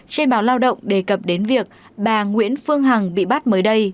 trên báo lao động đề cập đến việc bà nguyễn phương hằng bị bắt mới đây